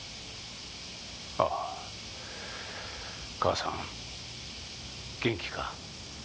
ああ母さん元気か？